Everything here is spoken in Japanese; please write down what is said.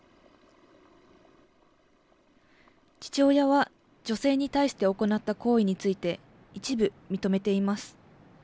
父親は女性に対して行った行為について、一部認めています。